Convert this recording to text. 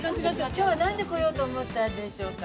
きょうは何で来ようと思ったんでしょうか。